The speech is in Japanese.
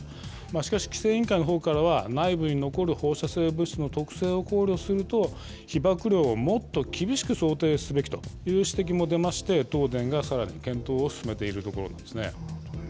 しかし、規制委員会のほうからは、内部に残る放射性物質の特性を考慮すると、被ばく量をもっと厳しく想定すべきという指摘も出まして、東電がさらに検討を進めているところなんですね。